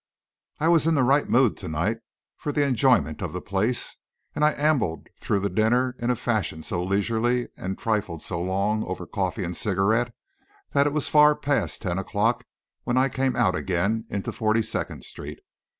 I was in the right mood to night for the enjoyment of the place, and I ambled through the dinner in a fashion so leisurely and trifled so long over coffee and cigarette that it was far past ten o'clock when I came out again into Forty second Street.